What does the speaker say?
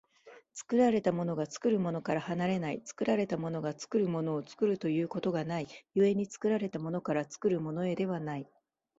作られたものが作るものから離れない、作られたものが作るものを作るということがない、故に作られたものから作るものへではない。